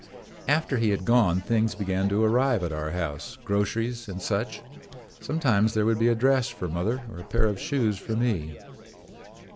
After he had gone things began to arrive at our house, groceries and such things. Sometimes there would be a dress for mother or a pair of shoes for me.